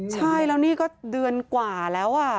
ใช่แล้วนี่ก็เดือนกว่าแล้ว